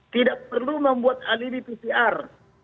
tidak perlu membuat alibi pcr